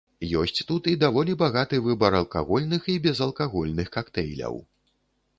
Ёсць тут і даволі багаты выбар алкагольных і безалкагольных кактэйляў.